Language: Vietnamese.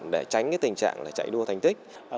để tránh tình trạng chạy đua thành tích